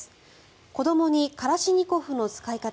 子どもにカラシニコフに使い方。